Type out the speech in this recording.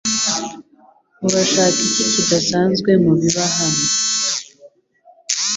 Urashaka iki kidasanzwe mubiba hano?